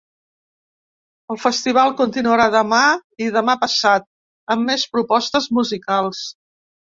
El festival continuarà demà i demà passat amb més propostes musicals.